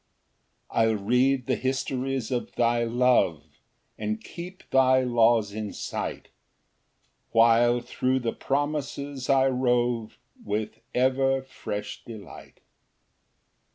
2 I'll read the histories of thy love, And keep thy laws in sight, While thro' the promises I rove, With ever fresh delight.